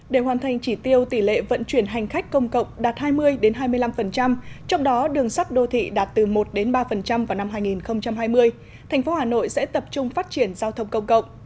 để hoàn thành chỉ tiêu tỷ lệ vận chuyển hành khách công cộng đạt hai mươi hai mươi năm trong đó đường sắt đô thị đạt từ một ba vào năm hai nghìn hai mươi thành phố hà nội sẽ tập trung phát triển giao thông công cộng